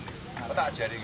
ini nih gak tempe goreng